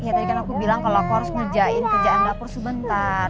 ya tadi kan aku bilang kalau aku harus ngerjain kerjaan dapur sebentar